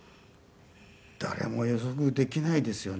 誰も予測できないですよね